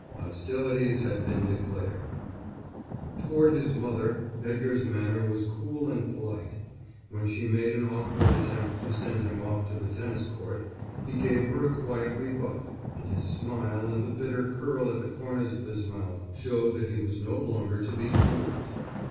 Hostilities had been declared. Toward his mother Edgar's manner was cool and polite. When she made an awkward attempt to send him off to the tennis court, he gave her a quiet rebuff, and his smile and the bitter curl at the corners of his mouth showed that he was no longer to be fooled.